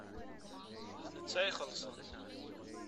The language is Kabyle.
D netta ad ixellṣen.